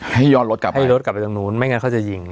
ให้รถกลับไปจนนู้นไม่งั้นเขาจะยิง